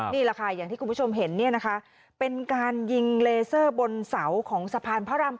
นี่แหละค่ะอย่างที่คุณผู้ชมเห็นเนี่ยนะคะเป็นการยิงเลเซอร์บนเสาของสะพานพระราม๘